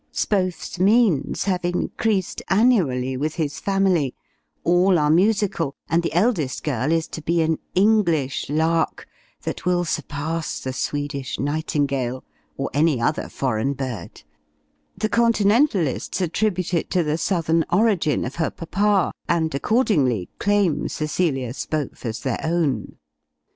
Spohf's means have increased, annually, with his family: all are musical, and the eldest girl is to be an "English Lark," that will surpass the "Swedish Nightingale," or any other foreign bird the continentalists attribute it to the southern origin of her papa; and, accordingly, claim Cecilia Spohf as their own.